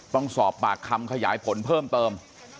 ต้องสอบปากคำขยายผลเพิ่มเติม